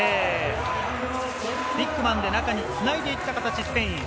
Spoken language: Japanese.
ビッグマンで中につないでいった形、スペイン。